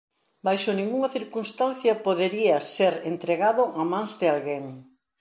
Baixo ningunha circunstancia podería ser entregado a mans de alguén.